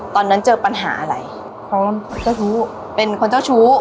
ตอนนั้นเจอปัญหาอะไรพร้อมเจ้าชู้เป็นคนเจ้าชู้